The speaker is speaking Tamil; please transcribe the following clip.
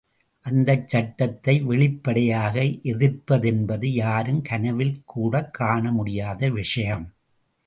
அந்தச் சட்டத்தை வெளிப்படையாக எதிர்ப்பதென்பது யாரும் கனவில் கூடக்காண முடியாத விஷயம்!